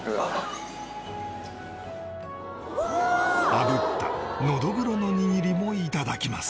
あぶったノドグロの握りも頂きます